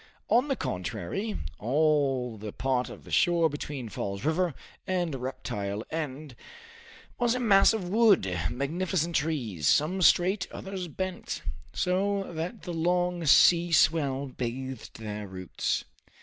On the contrary, all the part of the shore between Falls River and Reptile End was a mass of wood, magnificent trees, some straight, others bent, so that the long sea swell bathed their roots.